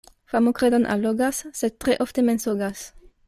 Famo kredon allogas, sed tre ofte mensogas.